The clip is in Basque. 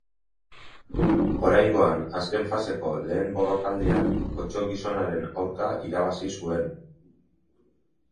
Oraingoan azken faseko lehen borrokaldian Otso-gizonaren aurka irabazi zuen.